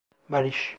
Barış.